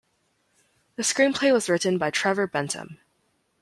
The screenplay was written by Trevor Bentham.